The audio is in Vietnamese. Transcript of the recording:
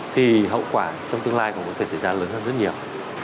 thì hậu quả trong tương lai cũng có thể xảy ra lớn hơn rất nhiều